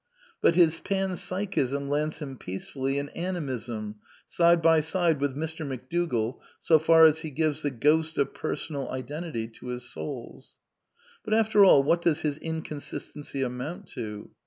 But his Pan Psychism lands him peacefully in Animism, side by side with Mr. McDougall, so far as he gives the ghost of personal identity to his souls.^'' But after all, what does his inconsistency amount to?